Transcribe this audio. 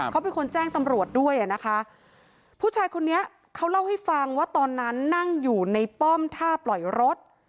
เขาเป็นคนแจ้งตำรวจด้วยอ่ะนะคะผู้ชายคนนี้เขาเล่าให้ฟังว่าตอนนั้นนั่งอยู่ในป้อมท่าปล่อยรถ